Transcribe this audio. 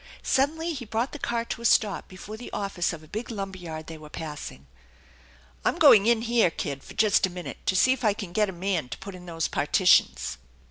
Suddenly he brought the car to a stop before the office of a big lumber yard they were passing. " I'm going in here, kid, for just a minute, to see if I caa get a man to put in those partitions."